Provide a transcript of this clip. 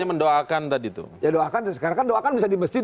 ya doakan sekarang kan doakan bisa di masjid